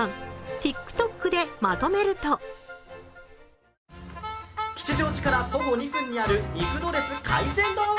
ＴｉｋＴｏｋでまとめると吉祥寺から徒歩２分にある肉ドレス海鮮丼！